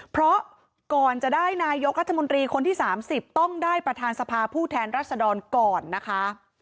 เพราะก่อนจะได้นายกรัฐมนตรีคนที่๓๐ต้องได้ประธานสภาผู้แทนรัศดรก่อนนะคะ